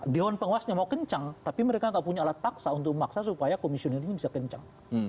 dewan pengawasnya mau kencang tapi mereka nggak punya alat paksa untuk memaksa supaya komisioner ini bisa kencang